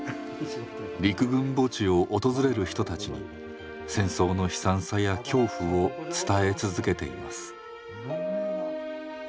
陸軍墓地を訪れる人たちに戦争の悲惨さや恐怖を伝え続けています。